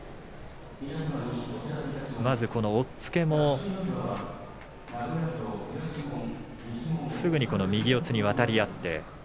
この押っつけもすぐに右四つに渡り合って。